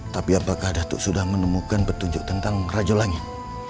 tapi apakah datuk sudah menemukan petunjuk tentang raja langit